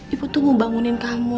ibu tuh mau bangunin kamu